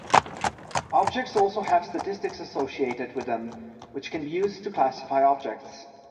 Objects also have statistics associated with them which can be used to classify objects.